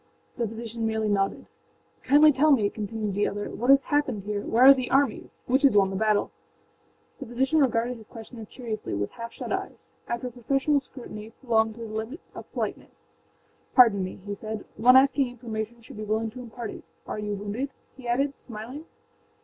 â The physician merely nodded. âKindly tell me,â continued the other, âwhat has happened here. Where are the armies? Which has won the battle?â The physician regarded his questioner curiously with half shut eyes. After a professional scrutiny, prolonged to the limit of politeness, âPardon me,â he said; âone asking information should be willing to impart it. Are you wounded?â he added, smiling.